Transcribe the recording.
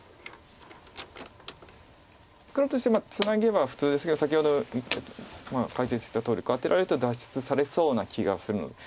黒としてはツナげば普通ですけど先ほど解説したとおりアテられると脱出されそうな気がするので。